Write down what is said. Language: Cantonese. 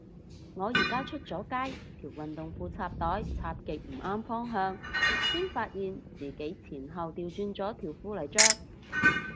我而家出咗街，條運動褲插袋插極唔啱方向，先發現自己前後掉轉咗條褲嚟着